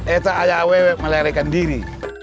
itu ayah wewe melarikan diri